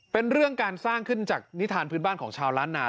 เป็นเรื่องการสร้างขึ้นจากนิทานพื้นบ้านของชาวล้านนา